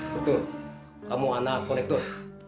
betul kamu anak konektor